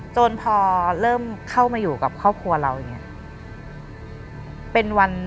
จนพอเริ่มเข้ามาอยู่กับครอบครัวเราอย่างนี้